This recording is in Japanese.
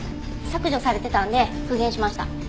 削除されてたんで復元しました。